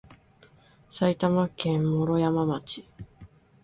埼玉県毛呂山町